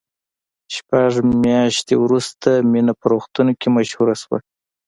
شپږ میاشتې وروسته مینه په روغتون کې مشهوره شوه